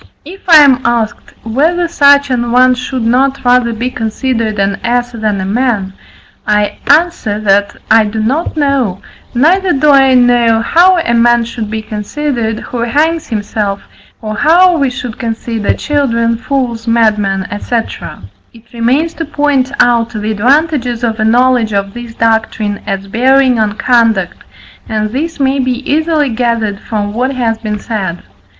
If I am asked, whether such an one should not rather be considered an ass than a man; I answer, that I do not know, neither do I know how a man should be considered, who hangs himself, or how we should consider children, fools, madmen, &c. It remains to point out the advantages of a knowledge of this doctrine as bearing on conduct, and this may be easily gathered from what has been said.